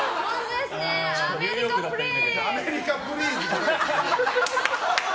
アメリカプリーズ！